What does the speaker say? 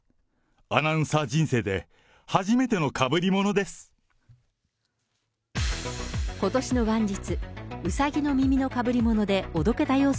アナウンサー人生で初めてのかぶり物です。